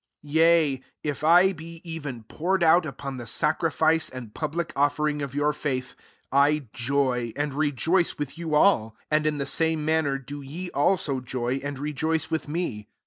17 Yea, if I be even poured out upon the sacrifice and pub lic oflfering of your faith, I joy, and rejoice with you all 5 1 8 and in the same manner do ye also joy, and rejoice with me.